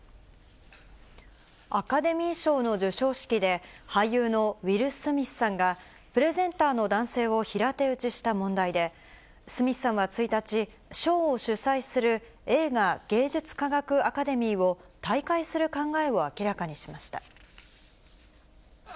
アカデミー賞の授賞式で、俳優のウィル・スミスさんが、プレゼンターの男性を平手打ちした問題で、スミスさんは１日、賞を主催する映画芸術科学アカデミーを退会する考えを明らかにしました。